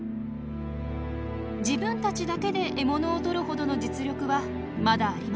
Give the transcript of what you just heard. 自分たちだけで獲物を取るほどの実力はまだありません。